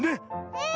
うん！